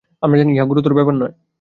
আমরা জানি ইহা গুরুতর ব্যাপার নয়।